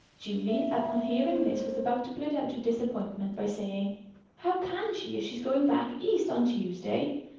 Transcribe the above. Julie, upon hearing this, was about to blurt out her disappointment by saying, "How can she, if she's going back East on Tuesday?"